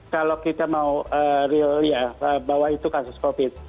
kalau kita mau bahwa itu kasus covid